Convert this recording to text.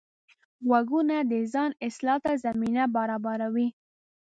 غوږونه د ځان اصلاح ته زمینه برابروي